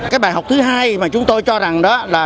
cái bài học thứ hai mà chúng tôi cho rằng đó là